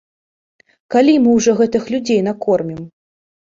Калі мы ўжо гэтых людзей накормім?